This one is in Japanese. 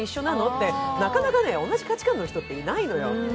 って、なかなか同じ価値観の人っていないのよ。